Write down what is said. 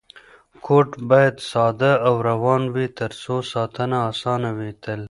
کوډ باید ساده او روان وي ترڅو ساتنه اسانه وي تل.